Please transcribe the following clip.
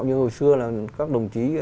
như hồi xưa là các đồng chí